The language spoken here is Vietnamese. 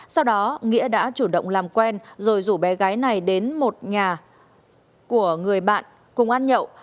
sau đó nghĩa đã chủ động làm quen rồi rủ bé gái này đến một nhà của người bạn cùng ăn nhậu